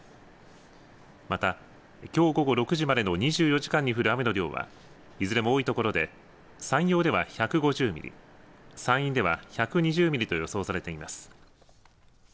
また、きょう午後６時までの２４時間に降る雨の量はいずれも多いところで山陽では１５０ミリ山陰では１２０ミリと予想されています。